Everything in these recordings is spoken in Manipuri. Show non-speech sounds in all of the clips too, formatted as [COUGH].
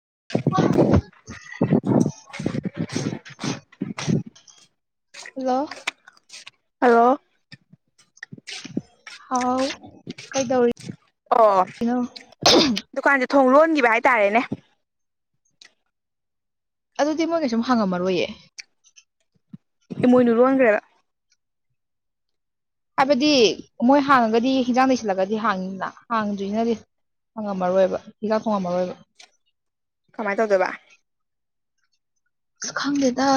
[INAUDIBLE] ꯍꯜꯂꯣ꯫ ꯍꯜꯂꯣ꯫ ꯍꯥꯎ ꯀꯩꯗꯧꯔꯤ? ꯑꯣ ꯗꯨꯀꯥꯟꯁꯦ ꯊꯣꯡ ꯂꯣꯟꯈꯤꯕ ꯍꯥꯏꯇꯥꯔꯦꯅꯦ꯫ ꯑꯗꯨꯗꯤ ꯃꯣꯏ ꯀꯩꯁꯨꯝ ꯍꯥꯡꯉꯝꯃꯔꯣꯏꯌꯦ꯫ ꯏꯃꯣꯏꯅꯨ ꯂꯣꯟꯒ꯭ꯔꯦꯕ꯫ ꯍꯥꯏꯕꯗꯤ ꯃꯣꯏ ꯍꯥꯡꯉꯒꯗꯤ ꯍꯤꯟꯖꯥꯡ ꯂꯩ ꯂꯒꯗꯤ ꯍꯥꯡꯅꯤꯅ ꯍꯥꯡꯗ꯭ꯔꯤꯁꯤꯅꯗꯤ ꯐꯪꯉꯝꯃꯔꯣꯏꯕ ꯍꯤꯟꯖꯥꯡ ꯊꯣꯡꯉꯝꯃꯔꯣꯏꯕ꯫ ꯀꯃꯥꯏ ꯇꯧꯗꯣꯏꯕ? ꯑꯁ ꯈꯪꯗꯦꯗ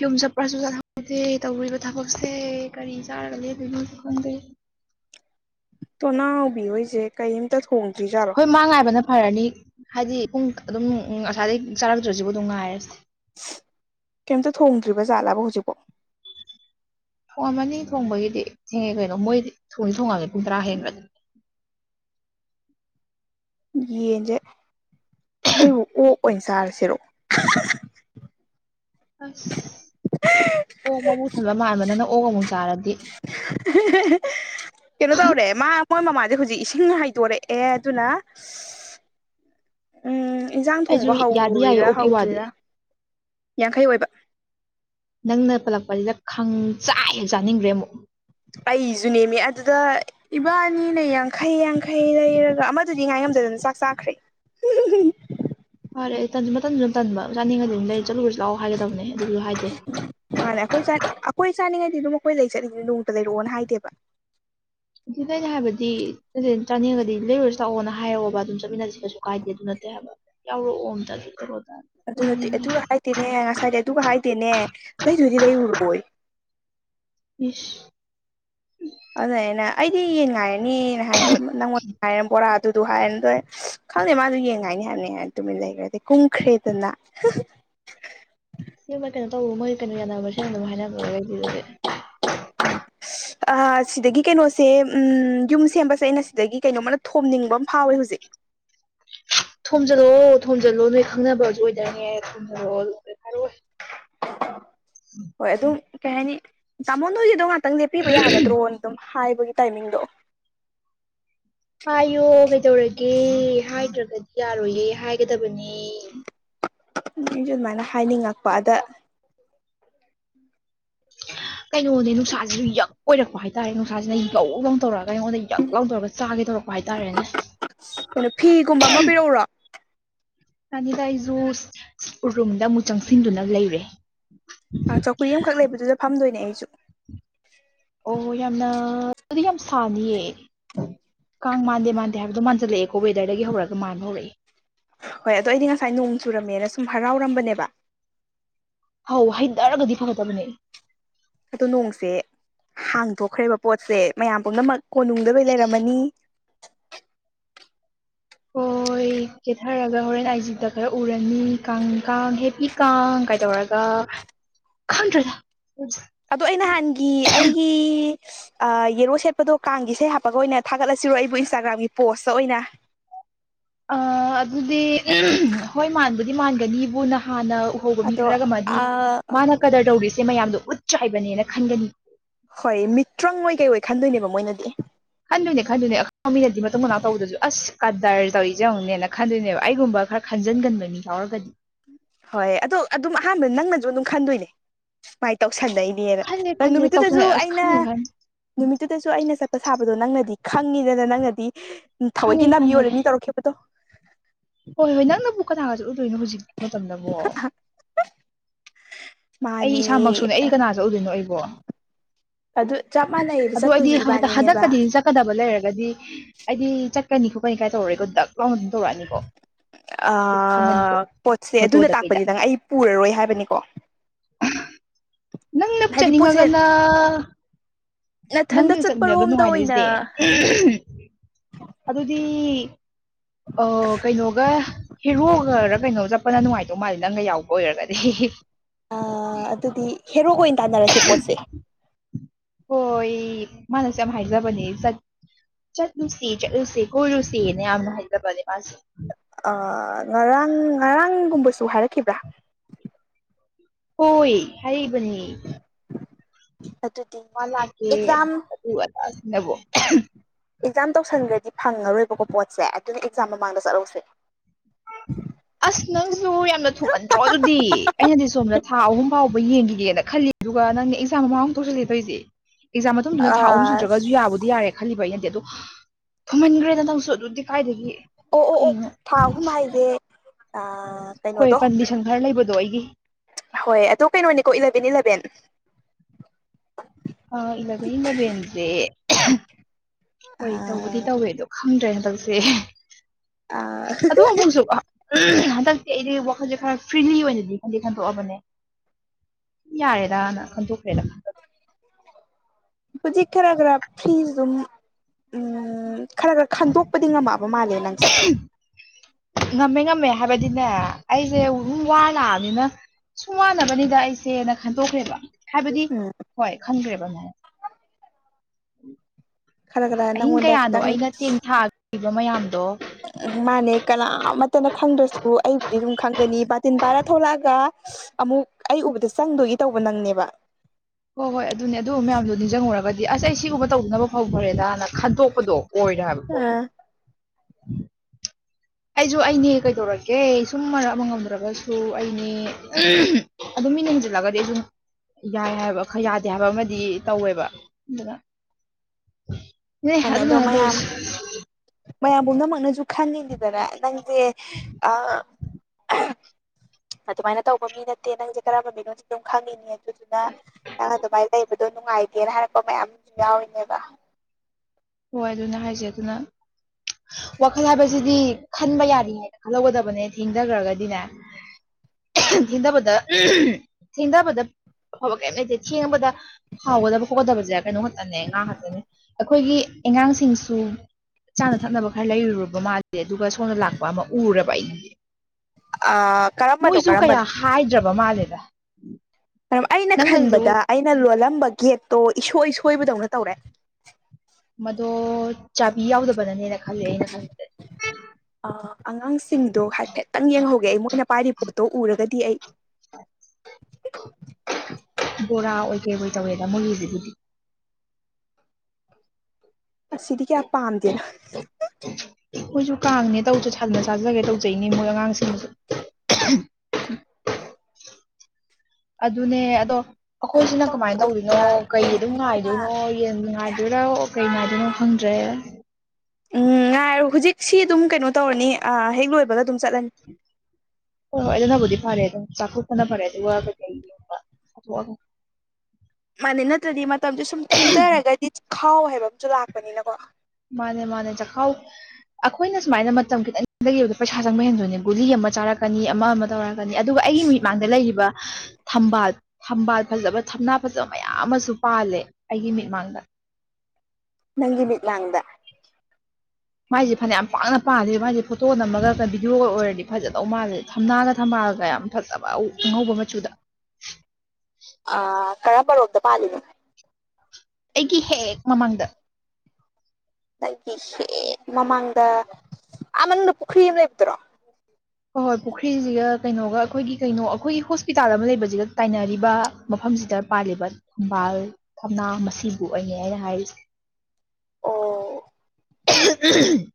ꯌꯨꯝ ꯆꯠꯄ꯭ꯔꯁꯨ ꯆꯠꯍꯧꯗꯦ ꯇꯧꯔꯤꯕ ꯊꯕꯛꯁꯦ ꯀꯔꯤ ꯆꯥꯔꯒ ꯂꯦꯟꯗꯣꯏꯅꯣ? ꯈꯪꯗꯦ꯫ ꯇꯣꯅꯥꯎꯕꯤ ꯍꯣꯏꯁꯦ ꯀꯩꯝꯇ ꯊꯣꯡ ꯍꯣꯏ ꯃꯥ ꯉꯥꯏꯕꯅ ꯐꯔꯅꯤ ꯫ ꯍꯥꯏꯗꯤ ꯄꯨꯡ ꯑꯗꯨꯝ ꯉꯁꯥꯏꯗꯒꯤ ꯆꯥꯔꯛꯇ꯭ꯔꯁꯤꯕꯨ ꯑꯗꯨꯝ ꯉꯥꯏꯔꯁꯤ꯫ ꯀꯩꯝꯇ ꯊꯣꯡꯗ꯭ꯔꯤꯕ ꯖꯥꯠꯂꯕ ꯍꯧꯖꯤꯛꯐꯧ꯫ ꯊꯣꯡꯉꯝꯅꯤ ꯊꯣꯡꯕꯒꯤꯗꯤ ꯊꯦꯡꯉꯦ ꯀꯩꯅꯣ ꯃꯣꯏꯗꯤ ꯊꯣꯡꯗꯤ ꯊꯣꯡꯉꯝꯅꯤ ꯄꯨꯡ ꯇꯔꯥ ꯍꯦꯟꯒ꯭ꯔꯗꯤ꯫ ꯌꯦꯟꯁꯦ ꯑꯩꯕꯨ ꯑꯣꯛ ꯑꯣꯏꯅ ꯆꯥꯔꯁꯤꯔꯣ? ꯑꯁ ꯑꯣꯛ ꯃꯕꯨꯨꯛ ꯊꯟꯕ ꯃꯥꯟꯕ ꯅꯪꯅ ꯑꯣꯛ ꯑꯃꯨꯛ ꯆꯥꯔꯗꯤ [UNINTELLIGIBLE] ꯍ ꯍ ꯍ ꯍ ꯀꯩꯅꯣ ꯇꯧꯔꯦ ꯃꯥ ꯃꯣꯏ ꯃꯃꯥꯁꯦ ꯍꯧꯖꯤꯛ ꯏꯁꯤꯡ ꯍꯩꯗꯣꯔꯛꯑꯦ ꯑꯗꯨꯅ ꯎꯝ ꯏꯟꯁꯥꯡ ꯑꯩꯁꯨ ꯊꯣꯡꯕ ꯌꯥꯗꯤ ꯌꯥꯏꯌꯦ ꯍꯧꯔꯤꯔꯥ ꯑꯣꯛꯀꯤ ꯋꯥꯗꯤ ꯍꯧꯗ꯭ꯔꯤꯔꯥ? ꯌꯥꯡꯈꯩ ꯑꯣꯏꯕ ꯅꯪꯅ ꯄꯜꯂꯛꯄꯁꯤꯗ ꯈꯪ ꯆꯥꯏ ꯍꯦ ꯆꯥꯅꯤꯡꯈ꯭ꯔꯦ ꯑꯃꯨꯛ ꯑꯩꯁꯨ ꯅꯦꯝꯃꯤ ꯑꯗꯨꯗ ꯏꯕꯥꯅꯤꯅ ꯌꯥꯡꯈꯩ ꯌꯥꯡꯈꯩ ꯂꯩꯔꯒ ꯑꯃꯗꯨꯗꯤ ꯉꯥꯏ ꯉꯝꯗꯗꯅ ꯆꯥꯛ ꯆꯥꯈ꯭ꯔꯦ [UNINTELLIGIBLE] ꯐꯔꯦ ꯑꯩ ꯇꯟ ꯃꯇꯟꯖꯨ ꯑꯝ ꯇꯟꯕ ꯆꯥꯅꯤꯡꯉꯗꯤ ꯑꯗꯨꯝ ꯂꯩ ꯆꯠꯂꯨꯔꯖꯤ ꯂꯥꯎ ꯍꯥꯏꯒꯦꯗꯧꯅꯦ ꯑꯗꯨꯖꯨ ꯍꯥꯏꯗꯦ ꯃꯥꯅꯦ ꯑꯩꯈꯣꯏ ꯆꯥꯟ ꯑꯩꯈꯣꯏ ꯆꯥꯅꯤꯡꯉꯗꯤ ꯑꯗꯨꯝ ꯑꯩꯈꯣꯏ ꯂꯩ ꯆꯠꯂꯤꯗꯨ ꯅꯨꯡꯇ ꯂꯩꯔꯛꯑꯣꯅ ꯍꯥꯏꯗꯦꯕ ꯑꯗꯨꯗꯩꯅ ꯍꯥꯏꯕꯗꯤ ꯅꯇꯦ ꯆꯥꯅꯤꯡꯉꯒꯗꯤ ꯂꯩꯔꯨꯔꯁꯤ ꯂꯥꯛꯑꯣꯅ ꯍꯥꯏꯑꯣꯕ ꯑꯗꯨꯝ ꯆꯠꯃꯤꯟꯅꯁꯤ ꯀꯩꯁꯨ ꯀꯥꯏꯗꯦ ꯑꯗꯨ ꯅꯠꯇꯦ ꯍꯥꯏꯕ ꯌꯥꯎꯔꯛꯑꯣ ꯑꯝꯇꯥ ꯀꯥꯅꯣꯗꯥ ꯑꯗꯨ ꯅꯠꯇꯦ ꯑꯗꯨꯒ ꯍꯥꯏꯗꯦꯅꯦ ꯉꯁꯥꯏꯗꯤ ꯑꯗꯨꯒ ꯍꯥꯏꯗꯦꯅꯦ ꯅꯣꯏꯗꯨꯗꯤ ꯂꯩꯔꯨꯔꯣ ꯌꯦ ꯏꯁ ꯑꯗꯨꯅ ꯑꯩꯅ ꯑꯩꯗꯤ ꯌꯦꯟ ꯉꯥꯏꯔꯅꯦꯅ ꯍꯥꯏꯗꯣ ꯅꯪꯉꯣꯟ ꯉꯥꯏꯔ ꯕꯣꯔꯥ ꯗꯨꯗꯣ ꯍꯥꯏꯔꯗꯣꯏ ꯈꯪꯗꯦ ꯃꯥꯖꯨ ꯌꯦꯟ ꯉꯥꯏꯅꯤ ꯍꯥꯏꯝꯅꯦ ꯍꯥ ꯇꯨꯃꯤꯠ ꯂꯩꯒ꯭ꯔꯦ ꯗꯩ ꯀꯨꯝꯈ꯭ꯔꯦꯗꯅ ꯁꯤ ꯑꯃ ꯀꯩꯅꯣ ꯇꯧꯕ ꯃꯣꯏ ꯀꯩꯅꯣ ꯌꯥꯅꯕꯁꯦꯟ ꯑꯗꯨꯝ ꯍꯥꯏꯅꯕ ꯑꯣꯏꯔꯗꯤ ꯑꯣꯏ [UNINTELLIGIBLE] ꯑꯍꯥ ꯁꯤꯗꯒꯤ ꯀꯩꯅꯣꯁꯦ ꯎꯝ ꯌꯨꯝ ꯁꯦꯝꯕꯁꯦ ꯑꯩꯅ ꯁꯤꯗꯒꯤ ꯀꯩꯅꯣꯃꯅ ꯊꯣꯝꯅꯤꯡꯕ ꯑꯝ ꯐꯥꯎꯋꯦ ꯍꯨꯖꯤꯛ ꯊꯣꯝꯖꯜꯂꯛꯑꯣ ꯊꯣꯝꯖꯜꯂꯣ ꯅꯣꯏ ꯈꯪꯅꯑꯕꯖꯨ ꯑꯣꯏꯗꯥꯏꯅꯦ ꯊꯣꯝꯖꯜꯂꯛꯑꯣ ꯍꯣꯏ ꯑꯗꯨꯝ ꯀꯩ ꯍꯥꯏꯅꯤ ꯇꯥꯃꯣ ꯅꯣꯏꯒꯤꯗꯣ ꯉꯥꯛꯇꯪ ꯂꯦꯞꯄꯤꯕ ꯌꯥꯒꯗ꯭ꯔꯣꯅ ꯑꯗꯨꯝ ꯍꯥꯏꯕꯒꯤ ꯇꯥꯏꯃꯤꯡꯗꯣ ꯍꯥꯏꯌꯣ ꯀꯩꯗꯧꯔꯒꯦ ꯍꯥꯏꯗ꯭ꯔꯒꯠ ꯌꯥꯔꯣꯏꯌꯦ ꯍꯥꯏꯒꯗꯕꯅꯦ ꯑꯩꯖꯨ ꯑꯗꯨꯃꯥꯏꯅ ꯍꯥꯏꯅꯤꯡꯉꯛꯄ ꯑꯗ ꯀꯩꯅꯣꯅꯦ ꯅꯨꯡꯁꯥꯖꯤꯖꯨ ꯌꯛ ꯑꯣꯏꯔꯛꯄ ꯍꯥꯏꯇꯥꯔꯦ ꯅꯨꯡꯁꯥꯖꯤꯅ ꯌꯧ ꯂꯧ ꯇꯧꯔꯑꯥꯒ ꯑꯩꯉꯣꯟꯗ ꯌꯛ ꯂꯥꯎ ꯇꯧꯔꯒ ꯆꯥꯒꯦ ꯇꯧꯔꯛꯄ ꯍꯥꯏꯇꯥꯔꯦꯅꯦ ꯀꯩꯅꯣ ꯐꯤꯒꯨꯝꯕ ꯑꯃꯥ ꯄꯤꯔꯛꯎꯔꯣ ꯌꯥꯅꯤꯗ ꯑꯩꯖꯨꯁ ꯎꯔꯨꯝꯗ ꯑꯃꯨꯛ ꯆꯪꯁꯤꯟꯗꯨꯅ ꯂꯩꯔꯦ ꯑꯥ ꯆꯧꯀ꯭ꯔꯤ ꯑꯝꯈꯛ ꯂꯩꯕꯗꯨꯗ ꯐꯝꯗꯣꯏꯅꯦ ꯑꯩꯖꯨ ꯑꯣ ꯌꯥꯝꯅ ꯑꯗꯨꯗꯤ ꯌꯥꯝ ꯁꯥꯅꯤꯌꯦ ꯀꯥꯡ ꯃꯥꯟꯗꯦ ꯃꯥꯟꯗꯦ ꯍꯥꯏꯕꯗꯣ ꯃꯥꯟꯖꯜꯂꯑꯦꯀꯣ ꯋꯦꯗ꯭ꯔꯗꯒꯤ ꯍꯧꯔꯒ ꯃꯥꯟꯕ ꯍꯧꯔꯛꯑꯦ ꯍꯣꯏ ꯑꯗꯣ ꯑꯩꯗꯤ ꯉꯁꯥꯏ ꯅꯣꯡ ꯆꯨꯔꯝꯃꯦꯅ ꯁꯨꯝ ꯍꯔꯥꯎꯔꯝꯕꯅꯦꯕ ꯍꯥꯎ ꯍꯩꯗꯔꯒꯗꯤ ꯐꯒꯗꯕꯅꯦ ꯑꯗꯣ ꯅꯣꯡꯁꯦ ꯍꯥꯡꯗꯣꯛꯈ꯭ꯔꯦꯕ ꯄꯣꯠꯁꯦ ꯃꯌꯥꯝ ꯄꯨꯝꯅꯃꯛ ꯀꯣꯅꯨꯡꯗ ꯂꯣꯏ ꯂꯩꯔꯝꯃꯅꯤ [INAUDIBLE] ꯈꯣꯏ ꯀꯦꯊꯔꯒ ꯍꯣꯔꯦꯟ ꯑꯩꯥꯏꯖꯤꯛꯗ ꯈꯔ ꯎꯔꯅꯤ ꯀꯥꯡ ꯀꯥꯡ ꯍꯦꯞꯄꯤ ꯀꯥꯡ ꯀꯥꯏ ꯇꯧꯔ ꯒꯥ ꯈꯪꯗ꯭ꯔꯦꯗ ꯄꯨꯟ ꯑꯗꯣ ꯑꯩ ꯅꯍꯥꯟꯒꯤ ꯑꯩꯒꯤ ꯑꯥ ꯌꯦꯜꯂꯣ ꯁꯦꯠꯄꯗꯣ ꯀꯥꯡꯒꯤ ꯏꯁꯩ ꯍꯥꯞꯄꯒ ꯑꯣꯏꯅ ꯊꯥꯒꯠꯂꯁꯤꯔꯣ ꯑꯩꯕꯨ ꯏꯟꯁꯇꯥꯒ꯭ꯔꯥꯝꯒꯤ ꯄꯣꯁꯇ ꯑꯣꯏꯅ ꯑꯥ ꯑꯗꯨꯗꯤ ꯍꯣꯏ ꯃꯥꯟꯕꯨꯗꯤ ꯃꯥꯟꯒꯅꯤꯕꯨ ꯅꯍꯥꯟꯅ ꯎ ꯎꯍꯧꯕ ꯃꯤ ꯑꯗꯣ ꯈꯔꯒꯃꯗꯤ ꯃꯥꯅ ꯀꯗ꯭ꯔ ꯇꯧꯔꯤꯁꯦ ꯃꯌꯥꯝꯗ ꯎꯠ ꯆꯥꯏꯕꯅꯦꯅ ꯈꯟꯒꯅꯤ ꯍꯣꯏ ꯃꯤꯇ꯭ꯔꯪ ꯑꯣꯏ ꯀꯩ ꯑꯣꯏ ꯈꯟꯗꯣꯏꯅꯦꯕ ꯃꯣꯏꯅꯗꯤ ꯈꯟꯗꯣꯏꯅꯦ ꯈꯟꯗꯣꯏꯅꯦ ꯑꯈ ꯃꯤꯅꯗꯤ ꯃꯇꯨꯡ ꯃꯅꯥꯎ ꯇꯧꯕꯗꯖꯨ ꯑꯁ ꯀꯥꯗꯔ ꯇꯧꯔꯤꯖꯦ ꯌꯦꯉꯣꯅꯦꯅ ꯈꯟꯗꯣꯏꯅꯦꯕ ꯑꯩꯒꯨꯝꯕ ꯈꯔ ꯈꯟꯖꯟꯒꯟꯕ ꯃꯤ ꯌꯥꯎꯔꯒꯗꯤ ꯍꯣꯏ ꯑꯗꯣ ꯑꯗꯨꯝ ꯑꯍꯥꯟꯕꯗ ꯅꯪꯅꯖꯨ ꯑꯗꯨꯝ ꯈꯟꯗꯣꯏꯅꯦ ꯃꯥꯏ ꯇꯧꯁꯟꯅꯩ ꯅꯦꯅ ꯈꯟꯗꯦ ꯑꯥ ꯈꯟꯗꯦ ꯇꯧꯁꯟꯂꯦ ꯅꯨꯃꯤꯠꯇꯨꯗꯖꯨ ꯑꯁ ꯑꯩꯅ ꯈꯪꯗꯦ ꯈꯪꯗꯦ ꯅꯨꯃꯤꯠꯇꯨꯗꯖꯨ ꯑꯩꯅ ꯆꯠꯄ ꯁꯥꯕꯗꯣ ꯅꯪꯅꯗꯤ ꯈꯪꯉꯤꯗꯅ ꯅꯪꯅꯗꯤ ꯈꯪꯉꯦ ꯊꯥꯑꯣꯏꯀꯤ ꯅꯝꯃꯤ ꯈꯪꯉꯦ ꯑꯣꯏꯔꯝꯅꯤ ꯇꯧꯔꯛꯈꯤꯕꯗꯣ ꯍꯣꯏ ꯍꯣꯏ ꯅꯪꯅꯕꯨ ꯀꯅꯥꯒ ꯆꯠꯂꯨꯗꯣꯏꯅꯣ ꯍꯧꯖꯤꯛꯀꯤ ꯃꯇꯝꯗꯕꯣ ꯑꯩ ꯃꯥꯅꯦ ꯏꯁꯥꯃꯛꯁꯨꯅꯦ ꯑꯩ ꯀꯅꯥ ꯆꯠꯎꯗꯣꯏꯅꯣ ꯑꯩꯕꯣ ꯑꯗꯨ ꯆꯞ ꯃꯥꯟꯅꯩꯌꯦꯕ ꯆꯠꯇꯣꯏꯖꯦ ꯏꯕꯥꯅꯤꯅꯦꯕ ꯀꯗꯕ ꯂꯩꯔꯒꯗꯤ ꯑꯩꯗꯤ ꯆꯠꯀꯅꯤ ꯈꯣꯠꯀꯅꯤ ꯀꯥꯏ ꯇꯧꯔꯣꯏꯀꯣ ꯗꯛ ꯂꯥꯎꯅ ꯑꯗꯨꯝ ꯇꯧꯔꯛꯑꯅꯤꯀꯣ ꯈꯪꯉꯅꯤꯀꯣ ꯑꯥ ꯄꯣꯠꯁꯦ ꯑꯗꯨꯅ ꯐꯣꯇꯣꯗ ꯀꯩꯗ ꯇꯥꯛꯄꯗꯤ ꯅꯪ ꯑꯩ ꯄꯨꯔꯔꯣꯏ ꯍꯥꯏꯕꯅꯤꯀꯣ ꯅꯪꯅ ꯍꯥꯏꯗꯤ ꯄꯣꯠꯁꯦ ꯆꯠꯅꯤꯡꯉꯒꯅꯥ ꯅꯊꯟꯗ ꯅꯪꯒ ꯆꯠꯃꯤꯟꯅꯕ ꯆꯠꯄꯔꯣꯝꯗ ꯑꯣꯏꯅ ꯅꯨꯡꯉꯥꯏꯗꯣꯏꯖꯦ ꯑꯗꯨꯗꯤ ꯑꯥ ꯀꯩꯅꯣꯒ ꯍꯦꯔꯣꯒꯔ ꯀꯩꯅꯣ ꯆꯠꯄꯅ ꯅꯨꯡꯉꯥꯏꯗꯧ ꯃꯥꯂꯦ ꯅꯪꯒ ꯌꯥꯎꯕ ꯑꯣꯏꯔꯒꯗꯤ ꯑꯥ ꯑꯗꯨꯗꯤ ꯍꯦꯔꯣꯒ ꯑꯣꯏꯅ ꯇꯥꯅꯔꯁꯦ ꯄꯣꯠꯁꯦ ꯍꯣꯏ ꯃꯥꯅꯁꯨ ꯌꯥꯝ ꯍꯥꯏꯖꯕꯅꯦ ꯆꯠ ꯆꯠꯂꯨꯁꯤ ꯆꯠꯂꯁꯤ ꯀꯣꯏꯔꯨꯁꯦꯅ ꯌꯥꯝꯅ ꯍꯥꯏꯖꯕꯅꯦ ꯃꯥꯁꯨ ꯑ ꯉꯔꯥꯡ ꯉꯔꯥꯡꯒꯨꯝꯕꯁꯨ ꯍꯥꯏꯔꯛꯈꯤꯕ꯭ꯔꯥ ꯍꯣꯏ ꯍꯥꯏꯔꯤꯕꯅꯤ ꯑꯗꯨ ꯃꯥ ꯂꯥꯛꯀꯦ ꯑꯗꯨꯑꯗꯥ ꯁꯤꯅꯕꯨ ꯑꯦꯛꯖꯥꯝ ꯇꯧꯁꯟꯈ꯭ꯔꯗꯤ ꯐꯪꯉꯔꯣꯏꯕꯀꯣ ꯄꯣꯠꯁꯦ ꯑꯗꯨꯅ ꯑꯦꯛꯖꯥꯝ ꯃꯃꯥꯡꯗ ꯆꯠꯍꯧꯁꯦ [UNINTELLIGIBLE] ꯑꯁ ꯅꯪꯁꯨ ꯌꯥꯝꯅ ꯊꯨꯃꯟꯗ꯭ꯔꯣ ꯑꯗꯨꯗꯤ ꯑꯩꯅꯗꯤ ꯁꯣꯝꯗ ꯊꯥ ꯑꯍꯨꯝ ꯐꯥꯎꯕ ꯌꯦꯡꯈꯤꯒꯦꯅ ꯈꯜꯂꯤ ꯑꯗꯨꯒ ꯅꯪꯅ ꯑꯦꯛꯖꯥꯝ ꯃꯃꯥꯡ ꯑꯃꯨꯛ ꯇꯧꯁꯤꯂꯦ ꯇꯣꯏꯁꯦ [INAUDIBLE] ꯑꯦꯛꯖꯥꯝ ꯃꯇꯨꯡꯗꯨꯗ ꯊꯥ ꯑꯍꯨꯝ ꯁꯨꯗ꯭ꯔꯒꯁꯨ ꯌꯥꯕꯨꯗꯤ ꯌꯥꯔꯦ ꯈꯜꯂꯤꯕ ꯑꯩꯅꯗꯤ ꯑꯗꯨ ꯊꯨꯃꯟꯒ꯭ꯔꯦꯗ ꯅꯪꯁꯨ ꯑꯗꯨꯗꯤ ꯀꯥꯏꯗꯒꯤ ꯑꯣ ꯑꯣ ꯑꯣ ꯀꯩꯅꯣ ꯊꯥ ꯑꯍꯨꯝ ꯍꯥꯏꯗꯤ ꯑꯥ ꯍꯣꯏ ꯀꯟꯗꯤꯁꯟ ꯈꯔ ꯂꯩꯕꯗꯣ ꯑꯩꯒꯤ ꯍꯣꯏ ꯑꯗꯣ ꯀꯩꯅꯣꯅꯤꯀꯣ ꯏꯂꯚꯦꯟ ꯏꯂꯚꯦꯟ ꯑꯥ ꯏꯂꯚꯦꯟ ꯏꯂꯚꯦꯟꯁꯦ ꯍꯣꯏ ꯇꯧꯕꯗꯤ ꯇꯧꯋꯦꯗꯣ ꯈꯪꯗ꯭ꯔꯦ ꯍꯟꯗꯛꯁꯦ ꯍꯧꯖꯤꯛ ꯑꯗꯣꯑꯃꯨꯛꯁꯨ ꯀꯣ ꯎꯝ ꯍꯟꯗꯛꯇꯤ ꯑꯩꯗꯤ ꯋꯥꯈꯜꯁꯦ ꯈꯔ ꯐ꯭ꯔꯤꯂꯤ ꯑꯣꯏꯅꯗꯤ ꯈꯟꯗꯤ ꯈꯟꯗꯣꯛꯑꯕꯅꯦ ꯌꯥꯔꯦꯗꯥꯅ ꯈꯟꯗꯣꯛꯈ꯭ꯔꯦꯗ ꯍꯧꯖꯤꯛ ꯈꯔ ꯈꯔ ꯐ꯭ꯔꯤꯗꯨꯝ ꯎꯝ ꯈꯔ ꯈꯔ ꯈꯟꯗꯣꯛꯄꯗꯤ ꯉꯝꯃꯛꯑꯕ ꯃꯥꯜꯂꯦ ꯅꯪꯁꯦ ꯉꯝꯃꯦ ꯉꯝꯃꯦ ꯍꯥꯏꯕꯗꯤꯅꯦ ꯑꯩꯁꯦ ꯑꯗꯨꯝ ꯋꯥꯔ ꯂꯥꯛꯑꯕꯅꯤꯅ ꯁꯨꯝ ꯋꯥꯅꯕꯅꯤꯗ ꯑꯩꯁꯦꯅ ꯈꯟꯇꯣꯛꯈ꯭ꯔꯦꯕ ꯍꯥꯏꯕꯗꯤ ꯎꯝ ꯍꯣꯏ ꯈꯟꯈ꯭ꯔꯦꯕ ꯃꯥꯅ ꯈꯔ ꯈꯔ ꯑꯍꯤꯡ ꯅꯪꯉꯣꯟꯗ ꯀꯌꯥꯅꯣ ꯈꯤꯇꯪ ꯑꯩꯅ ꯇꯦꯟ ꯊꯥꯈꯤꯕ ꯃꯌꯥꯝꯗꯣ ꯎꯝ ꯃꯥꯅꯦ ꯀꯅꯥꯥ ꯑꯃꯠꯇꯅ ꯈꯪꯗ꯭ꯔꯁꯨ ꯑꯩꯕꯨꯗꯤ ꯑꯗꯨꯝ ꯈꯪꯒꯅꯤ ꯕꯥꯇꯤꯟ ꯄꯥꯏꯔ ꯊꯣꯛꯂꯛꯑꯒ ꯑꯃꯨꯛ ꯑꯩ ꯎꯕꯗ ꯆꯪꯗꯣꯏꯒꯤ ꯇꯧꯕ ꯅꯪꯅꯦꯕ ꯍꯣꯏ ꯍꯣꯏ ꯑꯗꯨꯅꯦ ꯑꯗꯨ ꯒꯨꯝꯕ ꯃꯌꯥꯝꯗꯣ ꯅꯤꯡꯖꯤꯡꯉꯨꯔꯒꯗꯤ ꯑꯁ ꯑꯩ ꯁꯤꯒꯨꯝꯕ ꯇꯧꯗꯅꯕ ꯐꯥꯕꯨ ꯐꯔꯦꯗꯥꯅ ꯈꯟꯇꯣꯛꯄꯗꯣ ꯑꯣꯏꯔꯦ ꯍꯥꯏꯕ ꯄꯣꯠꯇꯣ [INAUDIBLE] ꯑꯩꯁꯨ ꯑꯩꯅꯦ ꯀꯩꯗꯧꯔꯒꯦ ꯁꯨꯝ ꯃꯔꯛ ꯑꯃ ꯉꯝꯗ꯭ꯔꯒꯁꯨ ꯑꯩꯅꯦ ꯑꯗꯨ ꯃꯤ ꯍꯦꯟꯁꯤꯜꯂꯒꯗꯤ ꯑꯩꯁꯨꯝ ꯌꯥꯏ ꯍꯥꯏꯕ ꯌꯥꯗꯦ ꯍꯥꯏꯕ ꯑꯃꯗꯤ ꯇꯧꯋꯦꯕ ꯑꯗꯨꯅ ꯑꯦ ꯐꯅꯦ ꯑꯗꯣ ꯑꯗꯨꯅꯅꯦ ꯃꯌꯥꯝ ꯇꯧꯔꯤꯁꯦ ꯃꯌꯥꯝ ꯄꯨꯝꯅꯃꯛꯅꯁꯨ ꯈꯜꯂꯤꯅꯦ ꯗꯔ ꯅꯪꯖꯦ ꯑꯥ ꯑꯍꯝ ꯑꯗꯨꯃꯥꯏꯅ ꯇꯧꯕ ꯃꯤ ꯅꯠꯇꯦ ꯅꯪꯖꯦ ꯀꯔꯝꯕ ꯃꯤꯅꯣꯖꯤ ꯑꯗꯨꯝ ꯈꯪꯉꯤꯅꯤ ꯑꯗꯨꯗꯨꯅ ꯅꯪ ꯑꯗꯨꯃꯥꯏꯅ ꯂꯩꯕꯗꯣ ꯅꯨꯡꯉꯥꯏꯇꯦꯅ ꯍꯥꯏꯔꯛꯄ ꯃꯌꯥꯝꯖꯨ ꯌꯥꯎꯔꯤꯅꯦꯕ ꯍꯣꯏ ꯑꯗꯨꯅꯦ ꯍꯥꯏꯖꯦ ꯑꯗꯨꯅ ꯋꯥꯈꯜ ꯍꯥꯏꯕꯖꯤꯗꯤ ꯈꯟꯕ ꯌꯥꯔꯤꯉꯩꯗ ꯈꯜꯍꯧꯒꯗꯕꯅꯦ ꯊꯦꯡꯗꯒ꯭ꯔꯒꯗꯤꯅꯦ ꯊꯦꯡꯗꯕꯗ ꯎꯝ ꯊꯦꯡꯗꯕꯗ ꯑꯐꯕ ꯀꯩꯝ ꯂꯩꯇꯦ ꯊꯦꯡꯕꯗ ꯍꯥꯎꯒꯗꯕ ꯈꯣꯠꯀꯗꯕꯖꯦ ꯀꯩꯅꯣ ꯈꯛꯇꯅꯦ ꯉꯥ ꯈꯛꯇꯅꯦ ꯑꯈꯣꯏꯒꯤ ꯑꯉꯥꯡꯁꯤꯡꯁꯨ ꯆꯥꯅ ꯊꯛꯅꯕ ꯈꯔ ꯂꯩꯔꯨꯨꯔꯕ ꯃꯥꯂꯦ ꯑꯗꯨꯒ ꯁꯣꯝꯗ ꯂꯥꯛꯄ ꯑꯃ ꯎꯔꯕ ꯑꯩ ꯑꯥ ꯀꯔꯝꯕꯅꯣ ꯀꯔꯝꯕꯅꯣ ꯀꯌꯥ ꯍꯥꯏꯗ꯭ꯔꯕ ꯃꯥꯜꯂꯦꯗ ꯃꯔꯝ ꯑꯩꯅ ꯅꯪꯅꯁꯨ ꯈꯟꯕꯗ ꯑꯩꯅ ꯂꯣꯜꯂꯝꯕ ꯒꯦꯠꯇꯣ ꯏꯁꯣꯏ ꯁꯣꯏꯕꯗꯧꯅ ꯇꯧꯔꯦ ꯃꯗꯣ ꯆꯥꯕꯤ ꯌꯥꯎꯗꯕꯅꯅꯦꯅ ꯈꯜꯂꯦ ꯑꯩꯅ ꯈꯟꯕꯗꯗꯤ ꯑꯥ ꯑꯉꯥꯡꯁꯤꯡꯗꯣ ꯍꯥꯏꯐꯦꯠꯇꯪ ꯌꯦꯡꯍꯧꯒꯦ ꯑꯩ ꯃꯣꯏꯅ ꯄꯥꯏꯔꯤ ꯄꯣꯠꯇꯣ ꯎꯔꯒꯗꯤ ꯑꯩ [INAUDIBLE] ꯕꯣꯔꯥ ꯑꯣꯏ ꯀꯩ ꯑꯣꯏ ꯇꯧꯋꯦꯗ ꯃꯣꯏꯒꯤꯗꯨꯕꯨꯗꯤ ꯑꯁꯤꯗꯤ ꯀꯌꯥ ꯄꯥꯝꯗꯦꯅ ꯃꯣꯏꯁꯨ ꯀꯥꯡꯅꯦ ꯇꯧꯖ ꯁꯖ ꯆꯥꯖꯒꯦ ꯇꯧꯖꯩꯅꯦ ꯃꯣꯏ ꯑꯉꯥꯡꯖꯤꯡꯖꯨ ꯑꯗꯨꯅꯦ ꯑꯗꯣ ꯑꯈꯣꯏꯁꯤꯅ ꯀꯃꯥꯏꯟ ꯇꯧꯗꯣꯏꯅꯣ ꯀꯩ ꯑꯗꯨꯝ ꯉꯥꯏꯗꯣꯏꯅꯣ ꯀꯦꯟ ꯅꯨꯡꯉꯥꯏꯗꯣꯏꯔ ꯀꯩ ꯉꯥꯏꯗꯣꯏꯅꯣ ꯈꯪꯗ꯭ꯔꯦ ꯎꯝ ꯉꯥꯏꯌꯨ ꯍꯨꯖꯤꯛꯁꯤ ꯑꯗꯨꯝ ꯀꯩꯅꯣ ꯇꯧꯔꯅꯤ ꯍꯦꯛ ꯂꯣꯏꯕꯒ ꯑꯗꯨꯝ ꯆꯠꯂꯅꯤ ꯍꯣꯏ ꯍꯣꯏ ꯑꯗꯨꯅꯕꯨꯗꯤ ꯐꯔꯦ ꯑꯗꯨꯝ ꯆꯥꯊꯣꯛꯄꯅ ꯐꯔꯦ ꯑꯗꯨ ꯋꯥ ꯀꯩ ꯀꯩ ꯌꯦꯡꯕ [UNINTELLIGIBLE] ꯃꯥꯅꯦ ꯅꯠꯇ꯭ꯔꯗꯤ ꯃꯇꯝꯖꯦ ꯁꯨꯝ ꯊꯦꯡꯗꯔꯒꯗꯤ ꯈꯥꯎ ꯍꯥꯏꯕ ꯑꯃꯖꯨ ꯂꯥꯛꯄꯅꯤꯅꯀꯣ ꯃꯥꯅꯦ ꯃꯥꯅꯦ ꯆꯈꯥꯎ ꯑꯈꯣꯏꯅ ꯁꯨꯃꯥꯏꯅ ꯃꯇꯝ ꯈꯤꯇꯪ ꯊꯦꯡꯗꯒꯤꯕꯗ ꯄꯩꯁꯥ ꯆꯪꯕ ꯍꯦꯟꯗꯣꯏꯅꯦ ꯒꯨꯂꯤ ꯑꯃ ꯆꯥꯔꯛꯀꯅꯤ ꯑꯃ ꯑꯃ ꯇꯧꯔ ꯀꯅꯤ ꯑꯗꯨꯒ ꯑꯩꯒꯤ ꯃꯤꯠꯃꯥꯡꯗ ꯂꯩꯔꯤꯕ ꯊꯝꯕꯥꯜ ꯊꯝꯕꯥꯜ ꯐꯖꯕ ꯊꯝꯅꯥ ꯐꯖꯕ ꯃꯌꯥꯝ ꯑꯃꯖꯨ ꯄꯥꯜꯂꯦ ꯑꯩꯒꯤ ꯃꯤꯠꯃꯥꯡꯗ ꯅꯪꯒꯤ ꯃꯤꯠ ꯃꯥꯡꯗ ꯃꯥꯏꯖꯦ ꯐꯅꯌꯥꯝ ꯄꯥꯛꯅ ꯄꯥꯂꯦ ꯃꯥꯏꯖꯦ ꯐꯣꯇꯣ ꯅꯝꯃꯒ ꯚꯤꯗꯤꯑꯣꯒ ꯑꯣꯏꯔꯗꯤ ꯐꯖꯗꯧ ꯃꯥꯜꯂꯦ ꯊꯝꯅꯥꯒ ꯊꯝꯕꯥꯜꯒ ꯌꯥꯝ ꯐꯖꯕ ꯑꯉꯧꯕ ꯃꯆꯨꯗ ꯑꯥ ꯀꯔꯝꯕꯔꯣꯝꯗ ꯄꯥꯂꯤꯅꯣ ꯑꯩꯒꯤ ꯍꯦꯛ ꯃꯃꯥꯡꯗ ꯅꯪꯒꯤ ꯍꯦꯛ ꯃꯃꯥꯡꯗ ꯑꯥ ꯃꯅꯨꯡꯗ ꯄꯨꯈ꯭ꯔꯤ ꯑꯝ ꯂꯩꯕꯗꯨꯔꯣ ꯍꯣꯏ ꯍꯣꯏ ꯄꯨꯈ꯭ꯔꯤꯖꯤꯒ ꯀꯩꯅꯣꯒ ꯑꯈꯣꯏꯒꯤ ꯀꯩꯅꯣ ꯑꯈꯣꯏꯒꯤ ꯍꯣꯁꯄꯤꯇꯥꯜ ꯑꯃ ꯂꯩꯕꯖꯤꯒ ꯇꯥꯏꯅꯔꯤꯕ ꯃꯐꯝꯖꯤꯗ ꯄꯥꯜꯂꯤꯕ ꯊꯝꯕꯥꯜ ꯊꯝꯅ ꯃꯁꯤꯕꯨ ꯑꯣꯏꯅꯦ ꯑꯩꯅ ꯍꯥꯏꯔꯤꯖꯦ ꯑꯣ [UNINTELLIGIBLE]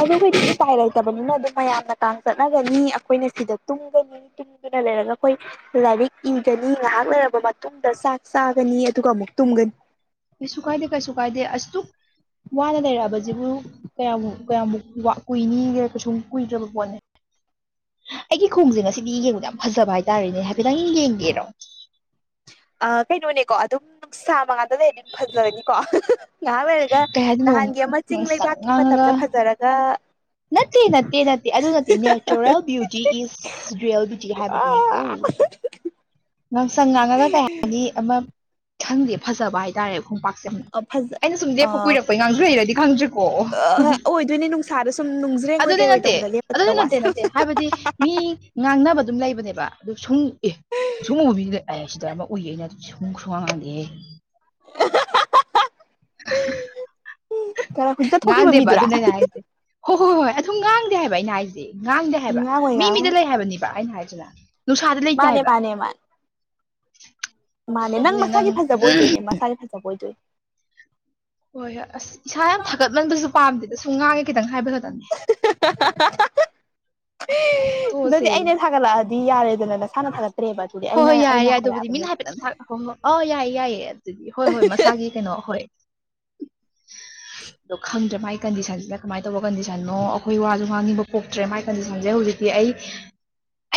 ꯑꯗꯨ ꯈꯣꯏꯗꯤ ꯎꯄꯥꯏ ꯂꯩꯇꯕꯅꯤꯅ ꯑꯗꯨꯝ ꯃꯌꯥꯝꯅ ꯀꯥꯡ ꯆꯠꯅꯒꯅꯤ ꯑꯈꯣꯏꯅ ꯁꯤꯗ ꯇꯨꯝꯒꯅꯤ ꯇꯨꯝꯗꯅ ꯂꯩꯔꯒ ꯑꯈꯣꯏ ꯂꯥꯏꯔꯤꯛ ꯏꯒꯅꯤ ꯉꯥꯍꯛ ꯂꯩꯔꯕ ꯃꯇꯨꯡꯗ ꯆꯥꯛ ꯆꯥꯒꯅꯤ ꯑꯗꯨꯒ ꯑꯃꯨꯛ ꯇꯨꯝꯒꯅꯤ ꯀꯩꯁꯨ ꯀꯥꯏꯗꯦ ꯀꯩꯁꯨ ꯀꯥꯏꯗꯦ ꯑꯁꯨꯛ ꯋꯥꯅ ꯂꯩꯔꯛꯑꯕꯖꯤꯕꯨ ꯀꯌꯥꯃꯨꯛ ꯀꯌꯥꯃꯨꯛ ꯀꯨꯏꯅꯤꯒꯦ ꯀꯩꯁꯨꯝ ꯀꯨꯏꯗ꯭ꯔꯕ ꯄꯣꯠꯅꯦ ꯑꯩꯒꯤ ꯈꯣꯡꯖꯦ ꯉꯁꯤꯗꯤ ꯌꯦꯡꯕꯗ ꯌꯥꯝ ꯐꯖꯕ ꯍꯥꯏꯇꯔꯦꯅꯦ ꯍꯥꯏꯐꯦꯠꯇꯪ ꯌꯦꯡꯒꯦꯔꯣ ꯑꯥ ꯀꯩꯅꯣꯅꯦꯀꯣ ꯑꯗꯨꯝ ꯅꯨꯡꯁꯥ ꯃꯉꯥꯟꯗ ꯂꯩꯔꯗꯤ ꯐꯖꯔꯅꯤꯀꯣ ꯍꯥꯍꯥ ꯉꯍꯥꯛ ꯂꯩꯔꯒ ꯀꯩ ꯍꯥꯏꯗꯣꯏꯅꯣ ꯅꯍꯥꯟꯒꯤ ꯑꯃ ꯆꯤꯡ ꯉꯥꯡꯁꯪ ꯂꯩꯕꯥꯛꯀꯤ ꯉꯥꯡꯉꯒ ꯃꯇꯝꯗ ꯐꯖꯔꯒ ꯅꯠꯇꯦ ꯅꯠꯇꯦ ꯅꯠꯇꯦ ꯑꯗꯨ ꯅꯠꯇꯦ natural beauty is real beauty ꯍꯥꯏꯕꯗꯨꯅꯤꯀꯣ꯫ ꯉꯥꯡꯁꯪ ꯉꯥꯡꯉꯒ ꯀꯩꯍꯥꯢꯅꯤ ꯑꯃ ꯈꯪꯗꯦ ꯐꯖꯕ ꯍꯥꯏꯇꯥꯔꯦ꯫ ꯈꫭꯡꯄꯥꯛꯁꯤ ꯐꯖ ꯑꯩꯅ ꯁꯨꯝ ꯂꯦꯞꯄ ꯀꯨꯏꯔꯛꯄꯩ ꯉꯥꯡꯖꯩꯔꯗꯤ ꯈꯪꯗ꯭ꯔꯦ ꯑꯣ ꯑꯣ ꯑꯣꯏꯗꯣꯏꯅꯦ ꯅꯨꯡꯁꯥꯗ ꯁꯨꯝ ꯅꯨꯡꯖ꯭ꯔꯦꯡꯑꯣꯏ ꯑꯗꯨꯗꯤ ꯀꯩꯑꯣꯏ ꯅꯠꯇꯦ ꯇꯧꯕꯗ ꯂꯦꯞꯄꯗꯨꯗ ꯑꯗꯨꯗꯤ ꯅꯠꯇꯦ ꯋꯥꯁꯛ ꯅꯠꯇꯦ ꯍꯥꯏꯕꯗꯤ ꯃꯤ ꯉꯥꯡꯅꯕ ꯑꯗꯨꯝ ꯂꯩꯕꯅꯦꯕ ꯑꯗꯨ ꯁꯨꯡ ꯑꯦ ꯁꯨꯡꯎ ꯎꯕꯤꯗꯦ ꯑꯦ ꯁꯤꯗ ꯑꯃ ꯎꯏꯌꯦ ꯑꯩꯅ ꯁꯨꯡ ꯁꯨ ꯉꯥꯡꯉꯥꯡꯗꯦꯍꯦ꯫ ꯈꯔ ꯍꯧꯖꯤꯛꯇ [UNINTELLIGIBLE] ꯊꯣꯛꯈꯤꯕ ꯉꯥꯡꯗꯦꯕ ꯃꯤꯗꯨꯔꯥ ꯑꯗꯨꯅꯦ ꯍꯥꯏꯖꯦ꯫ ꯍꯣ ꯍꯣ ꯍꯣꯏ ꯍꯣꯏ ꯑꯗꯨꯝ ꯉꯥꯡꯗꯦ ꯍꯥꯏꯕ ꯑꯩꯅ ꯍꯥꯏꯁꯤ ꯉꯥꯡꯗꯦ ꯍꯥꯏꯕ ꯉꯥꯡꯉꯣꯏ ꯃꯤ ꯃꯤꯗ ꯉꯥꯡꯉꯣꯏ ꯂꯩ ꯍꯥꯏꯕꯅꯤꯕ ꯑꯩꯅ ꯍꯥꯏꯁꯤꯅ꯫ ꯅꯨꯡꯁꯥꯗ ꯂꯩꯇꯦ ꯃꯥꯅꯦ ꯍꯥꯏꯕ꯫ ꯃꯥꯅꯦ ꯃꯥꯅꯦ ꯃꯥꯅꯦ ꯅꯪ ꯃꯁꯥꯒꯤ ꯐꯖꯕ ꯑꯣꯏꯗꯣꯏꯅꯦ ꯃꯁꯥꯒꯤ ꯐꯖꯕ ꯑꯣꯏꯗꯣꯏꯅꯦ꯫ ꯍꯣꯏ ꯍꯣꯏ ꯑꯁ ꯏꯁꯥ ꯌꯥꯝ ꯊꯥꯒꯠꯃꯟꯕꯁꯨ ꯄꯥꯝꯗꯦꯗ ꯁꯨꯝ ꯉꯥꯡꯉꯦ ꯈꯤꯇꯪ ꯍꯥꯏꯕ ꯈꯛꯇꯅꯦ꯫ [UNINTELLIGIBLE] ꯇꯣꯛꯑꯁꯦ ꯅꯠꯇꯦ ꯑꯩꯅ ꯊꯒꯠꯂꯛꯑ ꯗꯤ ꯌꯥꯔꯦꯗꯅ ꯅꯁꯥꯅ ꯊꯥꯒꯠꯇ꯭ꯔꯦꯕ ꯑꯗꯨꯗꯤ ꯑꯩꯅ ꯑꯩꯅ ꯍꯥꯏꯔꯛꯑꯕꯅꯤ꯫ ꯍꯣꯢ ꯍꯣꯏ ꯑꫭ ꯌꯥꯏ-ꯌꯥꯏ ꯑꯗꯨꯗꯤ ꯍꯣꯏ ꯍꯣꯏ ꯃꯁꯥꯒꯤ ꯀꯩꯅꯣ ꯍꯣꯏ꯫ ꯑꯗꯣ ꯈꯪꯗ꯭ꯔꯦ ꯃꯥꯢ ꯀꯟꯗꯤꯁꯟꯁꯤꯅ ꯀꯃꯥꯏ ꯇꯧꯕ ꯀꯟꯗꯤꯁꯟꯅꯣ ꯑꯈꯣꯏ ꯋꯥꯁꯨ ꯉꯥꯡꯅꯤꯡꯕ ꯄꯣꯛꯇ꯭ꯔꯦ ꯃꯥꯢ ꯀꯟꯗꯤꯁꯟꯁꯦ ꯍꯨꯖꯤꯛꯇꯤ ꯑꯩ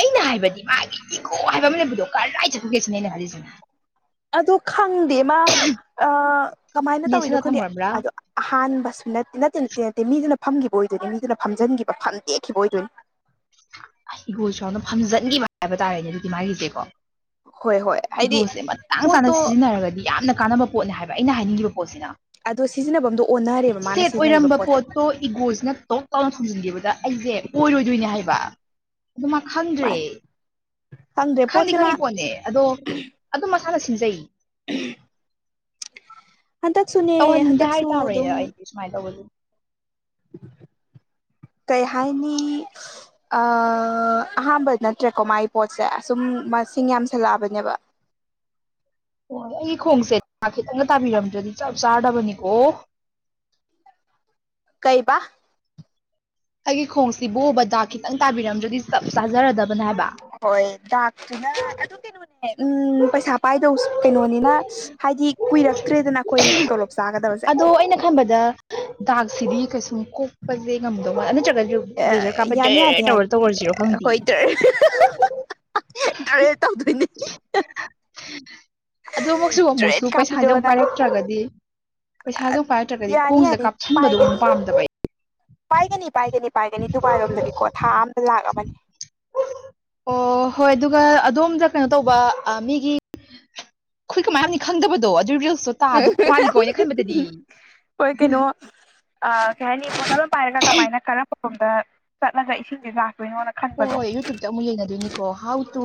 ꯑꯩꯅ ꯍꯥꯏꯕꯗꯤ ꯃꯥꯒꯤ ꯏꯒꯣ ꯍꯥꯏ ꯕ ꯑꯝ ꯂꯩꯕꯗꯣ ꯀꯔꯥꯏ ꯆꯠꯈ꯭ꯔꯒꯦ ꯁꯤꯅꯦ ꯑꯩꯅ ꯈꯜꯂꯤꯁꯤꯅ꯫ ꯑꯗꯨ ꯈꯪꯗꯦ ꯃꯥ ꯑꯥ ꯀꯃꯥꯏꯅ ꯇꯧꯋꯤꯅꯣ ꯅꯦꯠꯁꯜꯂ ꯈꯪꯗꯦ ꯊꯝꯈ꯭ꯔꯕ꯭ꯔꯥ ꯑꯗꯣ ꯑꯍꯥꯟꯕꯁꯨ ꯅꯠ ꯅꯠꯇꯦ ꯅꯠꯇꯦ ꯅꯠꯇꯦ ꯃꯤꯗꯨꯅ ꯐꯝꯈꯤꯕ ꯑꯣꯏꯗꯣꯏꯅꯤ ꯃꯤꯗꯨꯅ ꯐꯝꯖꯤꯟꯈꯤꯕ ꯐꯝꯗꯦꯛꯈꯤꯕ ꯑꯣꯏꯗꯣꯏꯅꯤ꯫ ꯍꯩ ꯏꯒꯣꯁꯨ ꯌꯥꯎꯅ ꯐꯝꯖꯟꯈꯤꯕ ꯍꯥꯏꯕ ꯇꯥꯔꯦꯅꯦ ꯑꯗꯨꯗꯤ ꯃꯥꯒꯤꯁꯦꯀꯣ꯫ ꯍꯣꯏ ꯍꯣꯏ ꯍꯥꯏꯗꯤ ꯏꯒꯣꯁꯦ ꯃꯇꯥꯡ ꯆꯥꯅ ꯄꯣꯠꯇꯣ ꯁꯤꯖꯤꯟꯅꯔꯒꯗꯤ ꯌꯥꯝꯅ ꯀꯥꯟꯅꯕ ꯄꯣꯠꯅꯦ ꯍꯥꯏꯕ ꯑꯩꯅ ꯍꯥꯏꯅꯤꯡꯉꯤꯕ ꯄꯣꯠꯁꯤꯅ꯫ ꯑꯗꯣ ꯁꯤꯖꯤꯟꯅꯕꯝꯗꯣ ꯑꯣꯟꯅꯔꯦꯕ ꯃꯥꯅ ꯁꯦꯠ ꯁꯤꯖꯤꯟꯅꯔꯤꯕ ꯑꯣꯏꯔꯝꯕ ꯄꯣꯠꯇꯣ꯫ ꯏꯒꯣꯁꯤꯅ ꯇꯣꯛ ꯂꯥꯏꯅ ꯊꯨꯝꯖꯤꯡꯒꯤꯕꯗ ꯑꯩꯁꯦ ꯑꯣꯏꯔꯣꯏꯗꯣꯏꯅꯦ ꯍꯥꯏꯕꯥ꯫ ꯑꯗꯨ ꯃꯥ ꯈꯪꯗ꯭ꯔꯦ ꯃꯥꯅꯦ ꯈꯪꯗ꯭ꯔꯦ ꯈꯪꯗꯤ ꯄꯣꯠꯁꯦ ꯃꯥ ꯈꯪꯉꯤ ꯄꯣꯠꯅꯦ ꯑꯗꯣ ꯑꯗꯨꯝ ꯃꯁꯥꯅ ꯁꯤꯟꯖꯩ꯫ [UNINTELLIGIBLE] ꯍꯟꯗꯛꯁꯨꯅꯦ ꯇꯧꯍꯟꯅꯤꯡꯗꯦ ꯍꯟꯗꯛꯁꯨ ꯍꯥꯏꯇꯥꯔꯦ ꯑꯗꯨꯝ ꯑꯩꯗꯤ ꯁꯨꯃꯥꯏꯅ ꯇꯧꯕꯗꯤ꯫ ꯀꯩ ꯍꯥꯏꯅꯤ [UNINTELLIGIBLE] ꯑ ꯑꯍꯥꯥꯟꯕ ꯅꯠꯇ꯭ꯔꯦꯀꯣ ꯃꯥꯏ ꯄꯣꯠꯁꯦ ꯁꯨꯝ ꯃꯁꯤꯡ ꯌꯥꯝꯁꯜꯂꯛꯑꯕꯅꯦꯕ꯫ ꯑꯣ ꯑꯩꯒꯤ ꯈꯣꯡꯁꯦ ꯗꯥꯛ ꯈꯤꯇꯪꯒ ꯇꯥꯕꯤꯔꯝꯗ꯭ꯔꯗꯤ ꯆꯞ ꯆꯥꯔꯗꯕꯅꯤꯀꯣ꯫ ꯀꯩ ꯕꯥ꯫ ꯑꯩꯒꯤ ꯈꯣꯡꯁꯤꯕꯨ ꯕꯗꯥꯛ ꯈꯤꯇꯪ ꯇꯥꯕꯤꯔꯝꯗ꯭ꯔꯗꯤ ꯆꯞ ꯆꯥꯖꯔꯗꯕꯅꯦ ꯍꯥꯏꯕ꯫ ꯍꯣꯏ ꯗꯥꯛꯇꯨꯅ ꯑꯗꯨ ꯀꯩꯅꯣꯅꯦ ꯎꯝ ꯄꯩꯁꯥ ꯄꯥꯏꯗꯧꯁ ꯀꯩꯅꯣꯅꯤꯅ [UNINTELLIGIBLE] ꯍꯥꯏꯗꯤ ꯀꯨꯏꯔꯛꯇ꯭ꯔꯦꯗꯅ ꯑꯩꯈꯣꯏ ꯇꯣꯂꯣꯞ ꯆꯥꯒꯗꯕꯁꯦ꯫ ꯍꯣ ꯑꯩꯅ ꯈꯟꯕꯗ ꯗꯥꯛꯁꯤꯗꯤ ꯀꯩꯁꯨꯝ ꯀꯣꯛ ꯄꯁꯦ ꯉꯝꯗꯧ ꯃꯥꯟ ꯅꯠꯇ꯭ꯔꯒꯗꯤ ꯕ꯭ꯂꯦꯖꯔ ꯀꯥꯞꯄ ꯌꯥꯅꯤ ꯌꯥꯅꯤ [UNINTELLIGIBLE] ꯌꯥꯅꯤ ꯇꯧꯔ ꯇꯧꯔꯁꯤꯔꯣ ꯈꯪꯗꯦ꯫ [INAUDIBLE] ꯗꯔ ꯇꯧꯗꯣꯏꯅꯦ꯫ [INAUDIBLE] ꯑꯗꯨ ꯑꯃꯨꯛꯁꯨ ꯑꯃꯨꯛꯁꯨ ꯇ꯭ꯔꯦꯠ ꯄꯩꯁꯥꯁꯦ ꯑꯃꯨꯛ ꯀꯥꯞꯄꯤꯔꯣꯅ ꯄꯥꯏꯔꯛꯇ꯭ꯔꯒꯗꯤ ꯄꯩꯁꯥꯁꯨ ꯄꯥꯏꯇ꯭ꯔꯒꯗꯤ ꯌꯥꯅꯤ ꯈꯣꯡꯁꯤꯗ ꯌꯥꯅꯤ ꯀꯥꯞꯁꯤꯟꯕꯗꯣ ꯃꯨꯛ ꯄꯥꯏꯒꯅꯤ ꯄꯥꯝꯗꯕ ꯑꯩ꯫ ꯄꯥꯏꯒꯅꯤ ꯄꯥꯏꯒꯅꯤ ꯄꯥꯏꯒꯅꯤ ꯗꯨꯕꯥꯏꯔꯣꯝꯗꯗꯤꯀꯣ ꯊꯥ ꯑꯝꯗ ꯂꯥꯛ ꯑꯃꯅꯦ꯫ [UNINTELLIGIBLE] ꯑꯣ ꯍꯣꯏ ꯑꯗꯨꯒ ꯑꯗꯣꯝꯗ ꯀꯩꯅꯣ ꯇꯧꯕ ꯑ ꯃꯤꯒꯤ [INAUDIBLE] ꯈꯣꯏ ꯀꯃꯥꯏ ꯍꯥꯞꯅꯤ ꯈꯪꯗꯕꯗꯣ ꯑꯗꯨ ꯔꯤꯜꯁꯇꯣ ꯇꯥꯗꯧ ꯃꯥꯜꯂꯤꯀꯣꯅ ꯑꯩꯅ ꯈꯟꯕꯗꯗꯤ꯫ [UNINTELLIGIBLE] ꯑ ꯀꯩ ꯍꯥꯏꯅꯤ ꯕꯣꯇꯜ ꯑꯃ ꯄꯥꯏꯔꯒ ꯀꯃꯥꯏꯅ ꯀꯔꯝꯕ ꯃꯐꯝꯗ ꯆꯠꯂꯒ ꯏꯁꯤꯡꯁꯦ ꯂꯥꯛꯇꯣꯏꯅꯣꯅ ꯍꯣꯏ ꯈꯟꯕꯗꯣ ꯍꯣꯏ ꯌꯨ ꯇꯨꯕꯇ ꯑꯃꯨꯛ ꯌꯦꯡꯅꯗꯣꯏꯅꯤꯀꯣ ꯍꯥꯎ ꯇꯨ